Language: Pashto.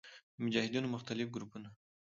د مجاهدینو مختلف ګروپونو